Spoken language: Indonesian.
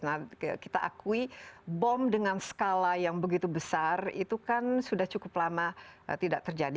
nah kita akui bom dengan skala yang begitu besar itu kan sudah cukup lama tidak terjadi